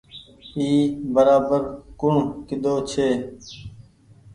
اي برابر ڪوڻ ڪيۮو ڇي۔